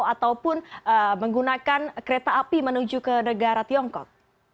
ataupun menggunakan kereta api menuju ke negara tiongkok